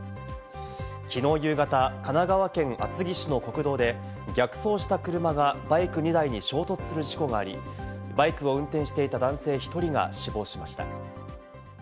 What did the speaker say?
きのう夕方、神奈川県厚木市の国道で逆走した車がバイク２台に衝突する事故があり、バイクを運転していた男性１人が死亡しました。